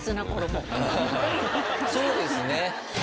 そうですね。